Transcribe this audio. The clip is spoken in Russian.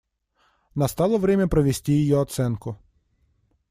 Настало время провести ее оценку.